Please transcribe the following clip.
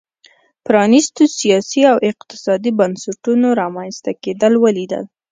پرانیستو سیاسي او اقتصادي بنسټونو رامنځته کېدل ولیدل.